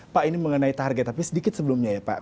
pak ini mengenai target tapi sedikit sebelumnya ya pak